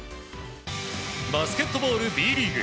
バスケットボールＢリーグ。